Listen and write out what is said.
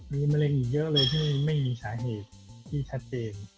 มีมะเร็งอีกเยอะเลยที่ไม่มีสาเหตุที่ชัดเจน